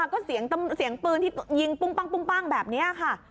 ก็เสียงปืนที่ยิงปุ้งปั้งแบบนี้ค่ะ